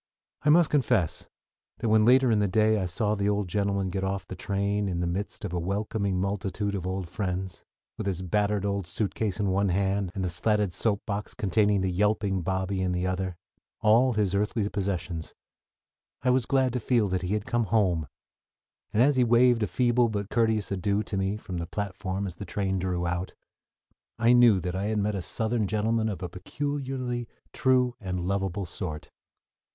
_" I must confess that when later in the day I saw the old gentleman get off the train in the midst of a welcoming multitude of old friends, with his battered old suitcase in one hand, and the slatted soap box containing the yelping Bobby in the other all his earthly possessions I was glad to feel that he had come "home"; and as he waved a feeble but courteous adieu to me from the platform as the train drew out I knew that I had met a Southern gentleman of a peculiarly true and lovable sort.